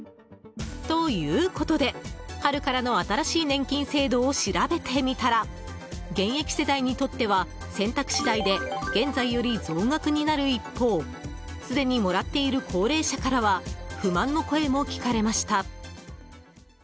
ということで、春からの新しい年金制度を調べてみたら現役世代にとっては、選択次第で現在より増額になる一方すでにもらっている高齢者からは不満の声も聞かれました。